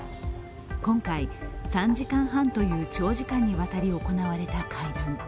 今回、３時間半という長時間にわたり行われた会談。